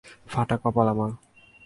ফাটা কপাল আমার!